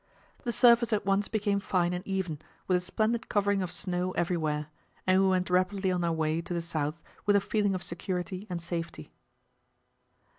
The surface at once became fine and even, with a splendid covering of snow everywhere, and we went rapidly on our way to the south with a feeling of security and safety.